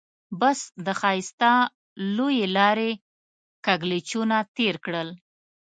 بس د ښایسته لويې لارې کږلېچونه تېر کړل.